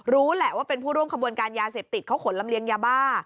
รู้แหละว่าเป็นผู้ร่วมขบวนการยาเสพติดเขาขนลำเลียงยาบ้า